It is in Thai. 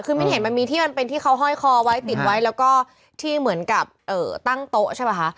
คือมิ้นเห็นมันมีที่มันเป็นที่เขาห้อยคอไว้ติดไว้แล้วก็ที่เหมือนกับตั้งโต๊ะใช่ป่ะคะ